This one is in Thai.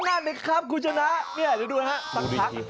ก็น่าเป็นครับคุณชนะเนี่ยเดี๋ยวดูนะครับสักพัก